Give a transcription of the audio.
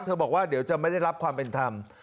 บอกว่าเดี๋ยวจะไม่ได้รับความเป็นธรรม